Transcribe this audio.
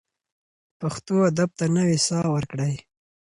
پښتو ادب ته نوې ساه ورکړئ.